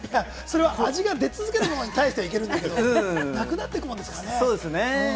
味が出続けてるものに対してはいいけど、なくなっていくからね。